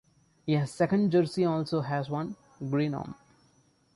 A second jersey also has one green arm.